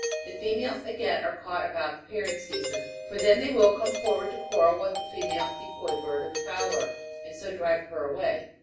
The females, again, are caught about the pairing season ; for then they will come forward ' to quarrel with the female decoy bird of the fowler, and so drive her away.